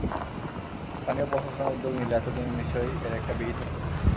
স্থানীয় প্রশাসন উদ্যোগ নিলে এত দিনে নিশ্চয়ই এর একটা বিহিত হতো।